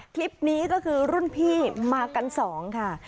คลิปนี้ก็คือรุ่นพี่มากันสองค่ะ